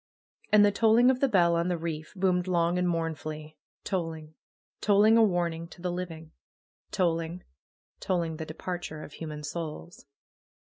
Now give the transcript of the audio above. And the tolling of the bell on the reef boomed long and mournfully. Tolling! Tolling a warning to the living I Tolling ! Tolling the departure of human souls